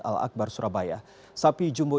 al akbar surabaya sapi jumbo